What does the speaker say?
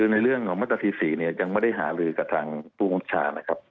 ในเรื่องประมาณตรา๔๔ยังไม่ได้หาลือกับคุณผู้คุมประชานะครับ